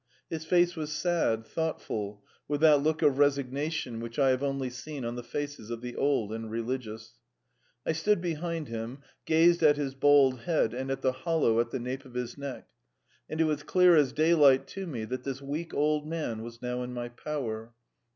His face was sad, thoughtful, with that look of resignation which I have only seen on the faces of the old and religious. I stood behind him, gazed at his bald head and at the hollow at the nape of his neck, and it was clear as daylight to me that this weak old man was now in my power.